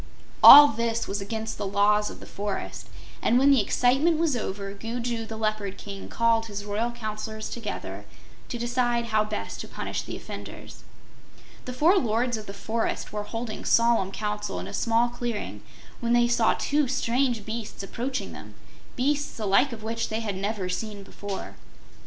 All this was against the Laws of the Forest, and when the excitement was over, Gugu the Leopard King called his royal Counselors together to decide how best to punish the offenders. The four lords of the forest were holding solemn council in a small clearing when they saw two strange beasts approaching them beasts the like of which they had never seen before.